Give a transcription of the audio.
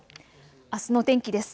あすの天気です。